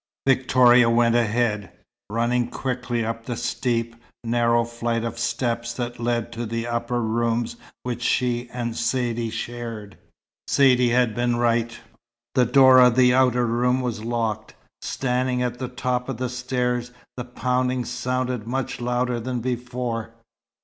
Victoria went ahead, running quickly up the steep, narrow flight of steps that led to the upper rooms which she and Saidee shared. Saidee had been right. The door of the outer room was locked. Standing at the top of the stairs, the pounding sounded much louder than before.